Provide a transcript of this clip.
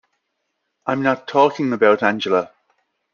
I'm not talking about Angela.